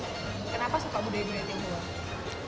kenapa suka budaya budaya tionghoa